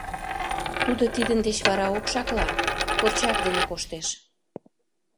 Тудо тидын деч вара окшакла, торчак дене коштеш.